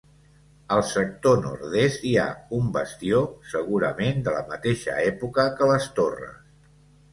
Al sector nord-est, hi ha un bastió, segurament de la mateixa època que les torres.